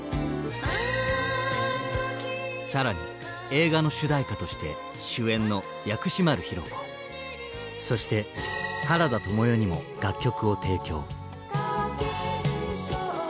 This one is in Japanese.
更に映画の主題歌として主演の薬師丸ひろ子そして原田知世にも楽曲を提供。